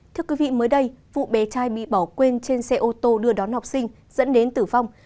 thưa quý vị mới đây vụ bé trai bị bỏ quên trên xe ô tô đưa đón học sinh dẫn đến tử vong